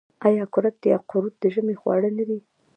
آیا کورت یا قروت د ژمي خواړه نه دي؟